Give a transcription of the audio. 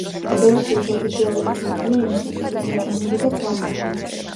ფედერაციის ოფიციალური ენებია: ინგლისური, გერმანული და ფრანგული.